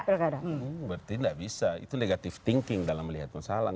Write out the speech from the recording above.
berarti gak bisa itu negatif thinking dalam melihat masalah